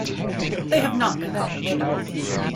They have not been published.